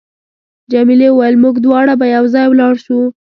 جميلې وويل: موږ دواړه به یو ځای ولاړ شو.